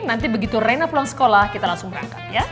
nanti begitu rena pulang sekolah kita langsung rangkap ya